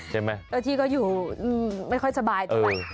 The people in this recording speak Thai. เจ้าที่ก็อยู่ไม่ค่อยสบาย